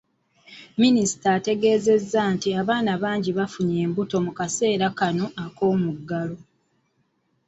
Minisita ategeezezza nti abaana bangi bafunye embuto mu kaseera kano ak’omuggalo.